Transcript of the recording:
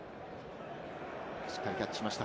しっかりキャッチしました。